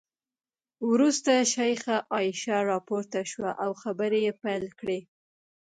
وروسته شیخه عایشه راپورته شوه او خبرې یې پیل کړې.